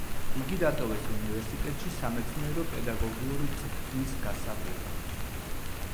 იგი დატოვეს უნივერსიტეტში სამეცნიერო-პედაგოგიური წვრთნის გასავლელად.